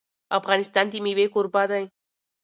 افغانستان د مېوې کوربه دی.